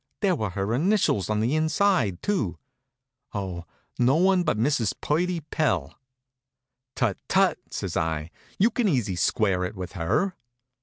There were her initials on the inside, too. Oh, no one but Mrs. Purdy Pell." "Tut, tut!" says I. "You can easy square it with her."